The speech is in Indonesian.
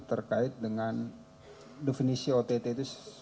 terkait dengan definisi ott itu